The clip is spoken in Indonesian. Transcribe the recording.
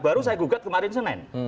baru saya gugat kemarin senin